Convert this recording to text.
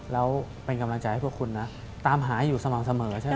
แล้วเป็นกำลังใจให้พวกคุณนะตามหาอยู่สม่ำเสมอใช่ไหม